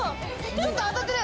ちょっと当たってる。